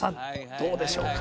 どうでしょうか？